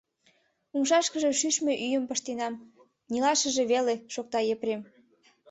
— Умшашкыже шӱшмӧ ӱйым пыштенам, нелшашыже веле, — шокта Епрем.